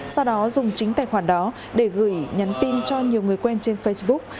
sau đó dùng chính tài khoản đó để gửi nhắn tin cho nhiều người quen trên facebook